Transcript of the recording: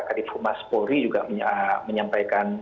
kadipu mas polri juga menyampaikan